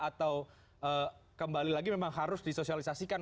atau kembali lagi memang harus disosialisasikan